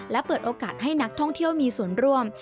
และเปิดโอกาสให้นักท่องเที่ยวมีส่วนร่วม